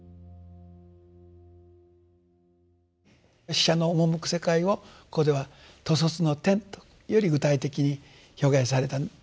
死者の赴く世界をここでは「兜卒の天」とより具体的に表現されたんじゃないだろうかと。